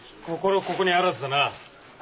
心ここにあらずだな。